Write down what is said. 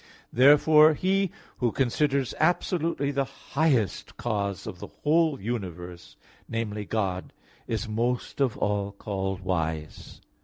Therefore he who considers absolutely the highest cause of the whole universe, namely God, is most of all called wise.